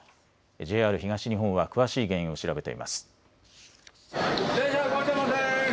ＪＲ東日本は詳しい原因を調べています。